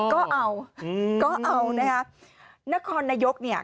ก็เอานะครนายกเนี่ย